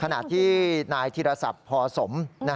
ขณะที่นายธิรศัพท์พอสม